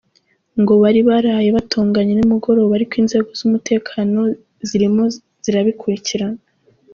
Ngo bari baraye batonganye nimugoroba ariko inzego z’umutekano zirimo zirabikurikirana.